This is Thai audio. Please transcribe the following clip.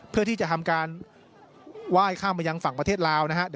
เพื่อที่จะทำการไหว้ข้ามมายังฝั่งประเทศลาวนะฮะ